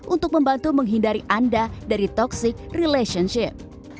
untuk membantu menghindari anda dari toxic relationship